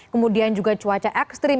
kemudian juga cuaca ekstrim